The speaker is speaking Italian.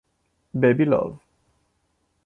Baby Love